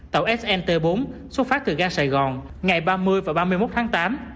tàu snt bốn xuất phát từ ga sài gòn ngày ba mươi và ba mươi một tháng tám